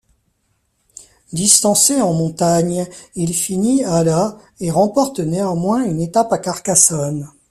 Distancé en montagne, il finit à la et remporte néanmoins une étape à Carcassonne.